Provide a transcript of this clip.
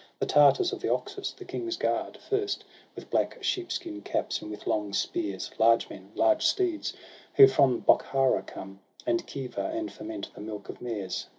The Tartars of the Oxus, the King's guard, First, with black sheep skin caps and with long spears; Large men, large steeds ; who from Bokhara come And Khiva, and ferment the milk of mares.